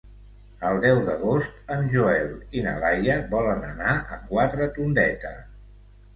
El deu d'agost en Joel i na Laia volen anar a Quatretondeta.